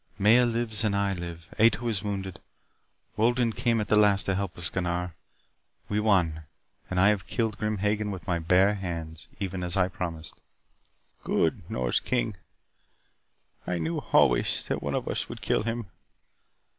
"Maya lives and I live. Ato is wounded. Wolden came at the last to help us, Gunnar. We won. And I have killed Grim Hagen with my bare hands, even as I promised." "Good, Nors King. I knew always that one of us would kill him.